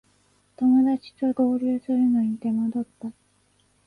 友だちと合流するのに手間取った